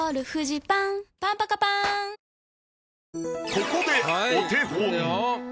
ここでお手本。